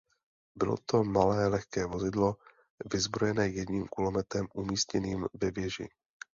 Bylo to malé lehké vozidlo vyzbrojené jedním kulometem umístěným ve věži.